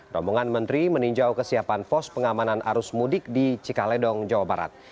rombongan menteri meninjau kesiapan pos pengamanan arus mudik di cikaledong jawa barat